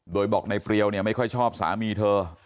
โดยบอกในเฟรียวเนี่ยไม่ค่อยชอบสามีเธอ